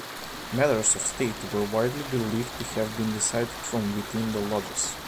Matters of state were widely believed to have been decided from within the lodges.